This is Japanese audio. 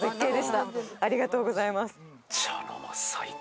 ありがとうございます。